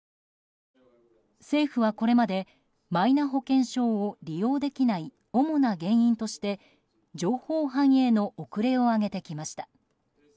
政府はこれまでマイナ保険証を利用できない主な原因として情報反映の遅れを挙げてきました。